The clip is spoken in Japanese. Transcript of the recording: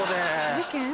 事件？